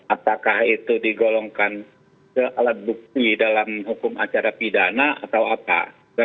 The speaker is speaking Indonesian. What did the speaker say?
apakah itu digolongkan ke alat bukti dalam hukum acara pidana atau apa